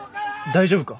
大丈夫か？